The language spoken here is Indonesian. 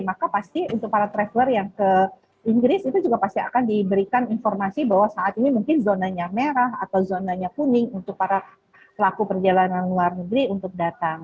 maka pasti untuk para traveler yang ke inggris itu juga pasti akan diberikan informasi bahwa saat ini mungkin zonanya merah atau zonanya kuning untuk para pelaku perjalanan luar negeri untuk datang